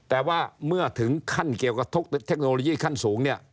แต่ว่าเมื่อถึงขั้นเกี่ยวกับทุกเทคโนโลยีขั้นสูงเนี่ย